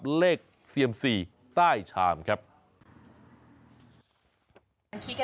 คิดกันเองค่ะเป็นธุรกิจของครอบครัวเราค่ะเราอยากปรับให้แบบมันขายดีขึ้นนะคะ